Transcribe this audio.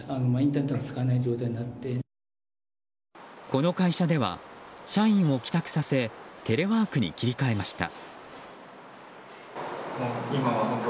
この会社では社員を帰宅させテレワークに切り替えました。